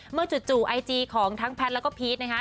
จู่ไอจีของทั้งแพทย์แล้วก็พีชนะคะ